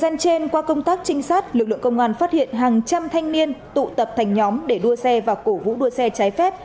trên qua công tác trinh sát lực lượng công an phát hiện hàng trăm thanh niên tụ tập thành nhóm để đua xe và cổ vũ đua xe trái phép